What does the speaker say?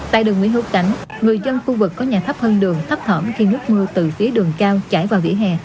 tại đường nguyễn hữu cảnh người dân khu vực có nhà thấp hơn đường thấp thỏm khi nước mưa từ phía đường cao chảy vào vỉa hè